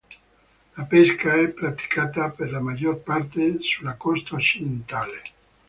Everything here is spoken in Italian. La pesca è praticata per la maggior parte sulla costa occidentale.